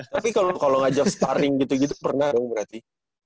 tapi kalau ngajak sparring gitu gitu pernah dong berarti